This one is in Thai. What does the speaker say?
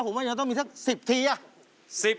ผมว่ายังต้องมีสัก๑๐ทีอ่ะ